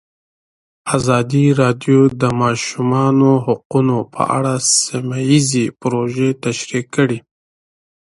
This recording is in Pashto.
ازادي راډیو د د ماشومانو حقونه په اړه سیمه ییزې پروژې تشریح کړې.